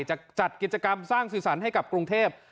จัดกิจกรรมสร้างสีสันให้กับกรุงเทพ